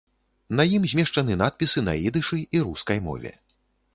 На ім змешчаны надпісы на ідышы і рускай мове.